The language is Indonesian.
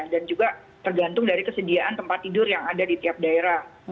dan juga tergantung dari kesediaan tempat tidur yang ada di tiap daerah